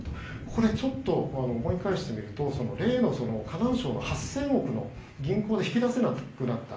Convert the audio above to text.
これ、ちょっと思い返してみると例の河南省の８０００億の銀行の引き出せなくなった。